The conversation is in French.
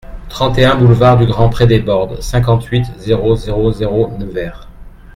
trente et un boulevard du Grand Pré des Bordes, cinquante-huit, zéro zéro zéro, Nevers